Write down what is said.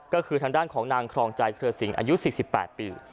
ก็คือทางด้านของนางครองใจเครือสิงอายุ๔๘ปี